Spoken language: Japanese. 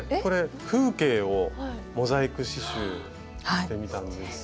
風景をモザイク刺しゅうしてみたんですが。